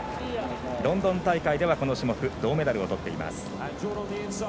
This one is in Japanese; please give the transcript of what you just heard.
ロンドン大会ではこの種目銅メダルをとっています。